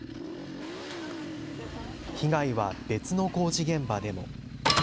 被害は別の工事現場でも。